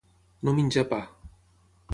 No menjar pa.